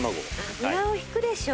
油は引くでしょ？